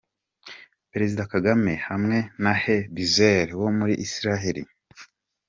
Perezida Kagame hamwe na Hezi Bezalel wo muri Israel.